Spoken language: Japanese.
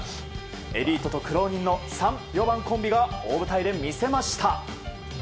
エリートと苦労人の３、４番コンビが大舞台で魅せました。